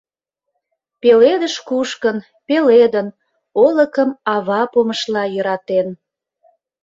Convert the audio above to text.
Пеледыш кушкын, пеледын, олыкым ава помышла йӧратен.